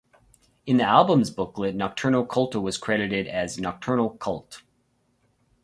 In the album's booklet, Nocturno Culto was credited as "Nocturnal Cult".